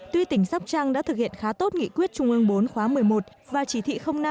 tuy tỉnh sóc trăng đã thực hiện khá tốt nghị quyết trung ương bốn khóa một mươi một và chỉ thị năm